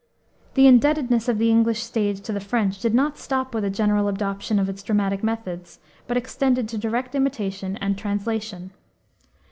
The indebtedness of the English stage to the French did not stop with a general adoption of its dramatic methods, but extended to direct imitation and translation.